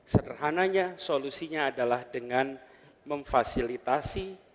sederhananya solusinya adalah dengan memfasilitasi